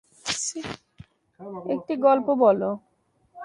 একটি গল্প বলো।